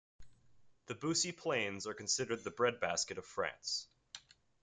The Beauce plains are considered the breadbasket of France.